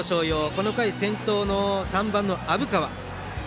この回先頭の３番、虻川。